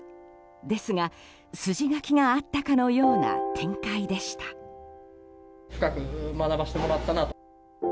ですが、筋書きがあったかのような展開でした。